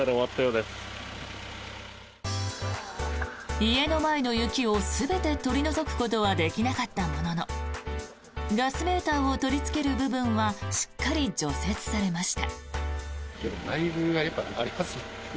家の前の雪を全て取り除くことはできなかったもののガスメーターを取りつける部分はしっかり除雪されました。